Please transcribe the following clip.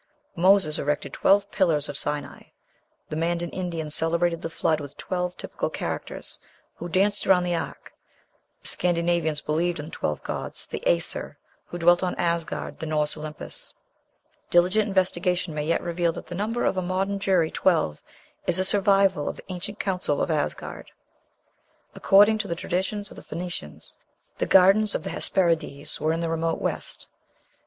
Moses erected twelve pillars at Sinai. The Mandan Indians celebrated the Flood with twelve typical characters, who danced around the ark. The Scandinavians believed in the twelve gods, the Aesir, who dwelt on Asgard, the Norse Olympus. Diligent investigation may yet reveal that the number of a modern jury, twelve, is a survival of the ancient council of Asgard. "According to the traditions of the Phoenicians, the Gardens of the Hesperides were in the remote west."